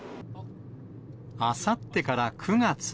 あさってから９月。